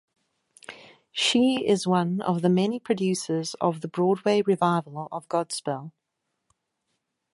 She is one of the many producers of the Broadway revival of "Godspell".